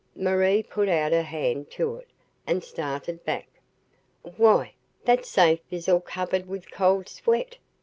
Marie put out her hand to it, and started back. "Why, that safe is all covered with cold sweat!"